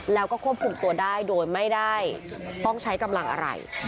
แล้วก็ควบคุมตัวได้โดยไม่ได้ต้องใช้กำลังอะไร